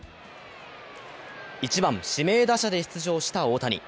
１番・指名打者で出場した大谷。